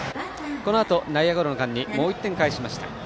このあと、内野ゴロの間にもう１点、返しました。